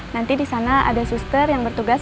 nanti disana ada suster yang bertugas